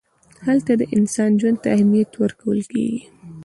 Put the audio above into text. هلته د انسان ژوند ته اهمیت ورکول کېږي.